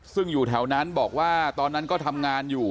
ซึ่งอยู่แถวนั้นบอกว่าตอนนั้นก็ทำงานอยู่